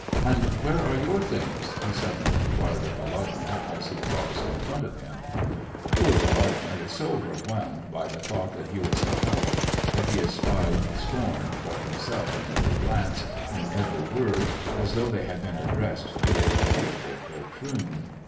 "And where are your things. *" he suddenly inquired of Volodya, as he paused in front of him. Poor Volodya was so overwhelmed by the thought that he was a coward, that he espied scorn for himself in every glance, in every word, as though they had been addressed to a pitiable poltroon.